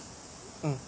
うん。